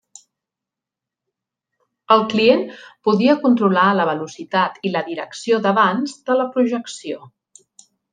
El client podia controlar la velocitat i la direcció d'avanç de la projecció.